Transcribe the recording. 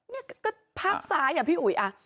นี่ก็ภาพซ้ายอ่ะพี่อุ๋ย